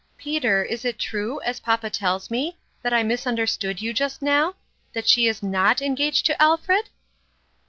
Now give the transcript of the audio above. Peter, is it true, as papa tells me, that I misunderstood you just now that she is not engaged to Al fred?"